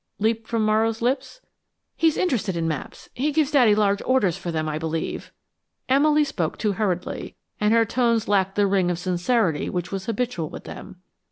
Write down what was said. leaped from Morrow's lips. "He is interested in maps he gives Daddy large orders for them, I believe." Emily spoke too hurriedly, and her tones lacked the ring of sincerity which was habitual with them.